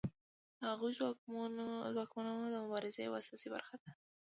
د هغوی ځواکمنول د مبارزې یوه اساسي برخه ده.